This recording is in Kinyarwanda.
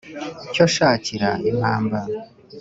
cyo nshakira impammba